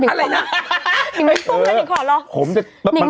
หนิงไม่ยุ่งแน่หนิงขอร้อง